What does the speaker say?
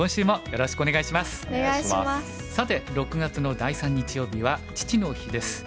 さて６月の第３日曜日は父の日です。